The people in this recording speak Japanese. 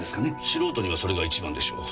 素人にはそれが一番でしょう。